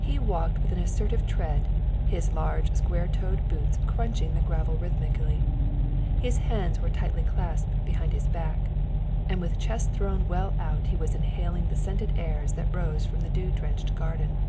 He walked with an assertive tread, his large square toed boots crunching the gravel rhythmically. His hands were lightly clasped behind his back, and with chest thrown well out he was inhaling the scented airs that rose from the dew drenched garden.